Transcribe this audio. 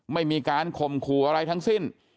ไม่มีการข่มขู่อะไรทั้งสิ้น